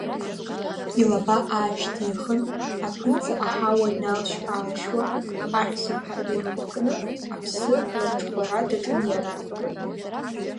Илаба аашьҭихын, аԥынҵа аҳауа иналшь-аалшьуа, аҳәсақәа ирықәкны аԥсы лырҽхәара даҿын иара.